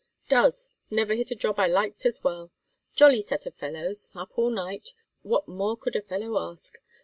"Does! Never hit a job I liked as well. Jolly set of fellows. Up all night. What more could a fellow ask?